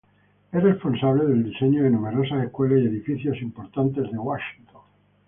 Es responsable del diseño de numerosas escuelas y edificios importante de Washington.